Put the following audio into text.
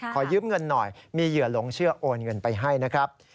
ขอยืมเงินหน่อยมีเหยื่อหลงเชื่อโอนเงินไปให้นะครับ